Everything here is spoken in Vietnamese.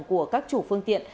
của các chủ phương tiện